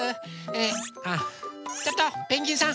あっちょっとペンギンさん！